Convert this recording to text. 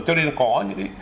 cho nên có những cái